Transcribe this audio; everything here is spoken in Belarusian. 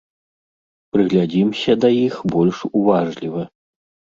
Прыглядзімся да іх больш уважліва.